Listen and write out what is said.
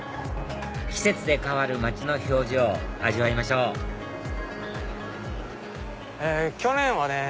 季節で変わる街の表情味わいましょう去年はね